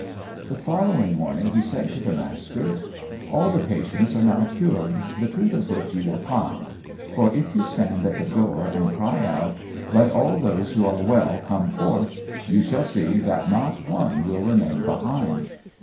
_] The following morning he said to the master: "All the patients are now cured, the truth of which you will find; for if you stand at the door and cry out, 'Let all those who are well come forth,' you shall see that not one will remain behind."